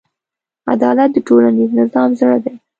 عدالت د ټولنیز نظم زړه دی.